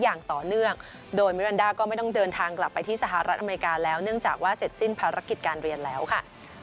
อย่างต่อเนื่องโดยมิรันดาก็ไม่ต้องเดินทางกลับไปที่สหรัฐอเมริกาแล้วเนื่องจากว่าเสร็จสิ้นภารกิจการเรียนแล้วค่ะ